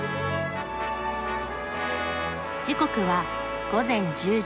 時刻は午前１０時。